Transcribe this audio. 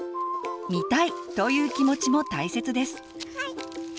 「見たい！」という気持ちも大切です。